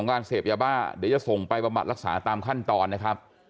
ก็จะส่งไปรักษาตามขั้นตอนนะครับ